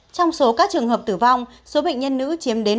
trong số các trường hợp tử vong số bệnh nhân nữ chiếm đến năm mươi tám năm